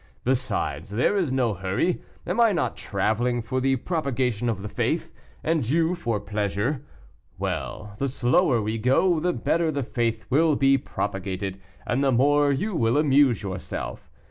Besides, there is no hurry: am I not traveling for the propagation of the faith, and you for pleasure? Well, the slower we go, the better the faith will be propagated, and the more you will amuse yourself.